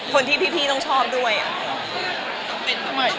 คนที่พี่ต้องชอบด้วยอะ